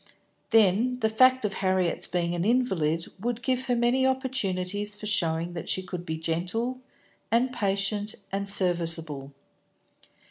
Then the fact of Harriet's being an invalid would give her many opportunities for showing that she could be gentle and patient and serviceable.